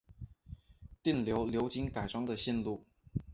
电流流经改装的线路